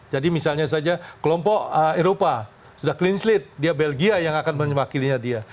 jadi misalnya saja kelompok eropa sudah clean slate dia belgia yang akan menyebarkannya dia